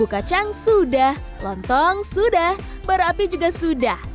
bumbu kacang sudah lontong sudah berapi juga sudah